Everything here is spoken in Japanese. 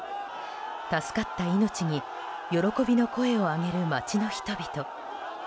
助かった命に喜びの声を上げる街の人々。